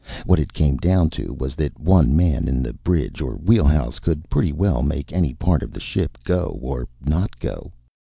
What it came down to was that one man in the bridge or wheelhouse could pretty well make any part of the ship go or not go.